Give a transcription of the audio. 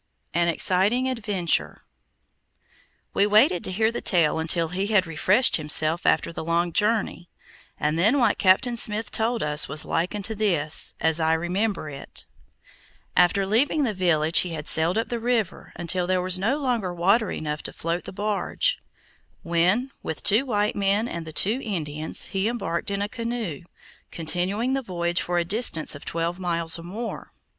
AN EXCITING ADVENTURE We waited to hear the tale until he had refreshed himself after the long journey, and then what Captain Smith told us was like unto this, as I remember it: After leaving the village, he had sailed up the river until there was no longer water enough to float the barge, when, with two white men and the two Indians, he embarked in a canoe, continuing the voyage for a distance of twelve miles or more.